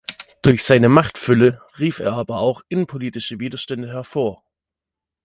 Durch seine Machtfülle rief er aber auch innenpolitische Widerstände hervor.